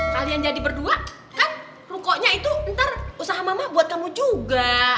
kalian jadi berdua kan rukonya itu ntar usaha mama buat kamu juga